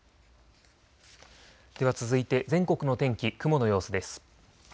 では続いて全国の天気、雲の様子です。